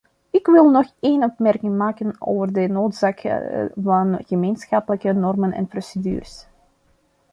Ik wil nog één opmerking maken over de noodzaak van gemeenschappelijke normen en procedures.